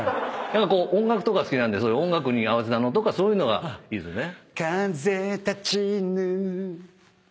音楽とか好きなんで音楽に合わせたのとかそういうのがいいですね。